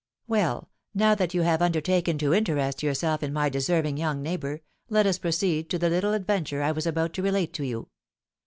"Well, now then that you have undertaken to interest yourself in my deserving young neighbour, let us proceed to the little adventure I was about to relate to you.